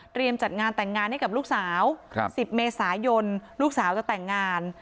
จัดงานแต่งงานให้กับลูกสาว๑๐เมษายนลูกสาวจะแต่งงาน